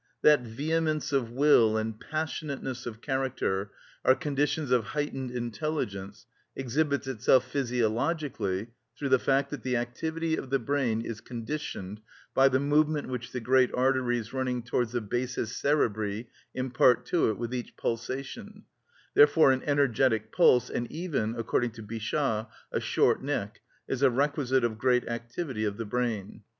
That vehemence of will and passionateness of character are conditions of heightened intelligence exhibits itself physiologically through the fact that the activity of the brain is conditioned by the movement which the great arteries running towards the basis cerebri impart to it with each pulsation; therefore an energetic pulse, and even, according to Bichat, a short neck, is a requisite of great activity of the brain.